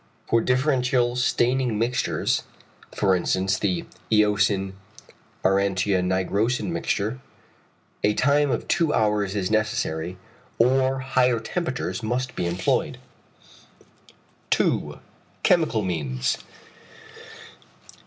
For differential staining mixtures, for instance the eosin aurantia nigrosin mixture, a time of two hours is necessary, or higher temperatures must be employed. 2. Chemical means.